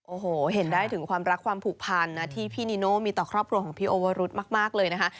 โอ้โหเห็นได้ถึงความรักความผูกพันนะที่พี่นิโน่มีต่อครอบครัวของพี่โอวรุธมากเลยนะคะ